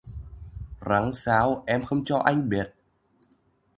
Răng sao em không cho anh biết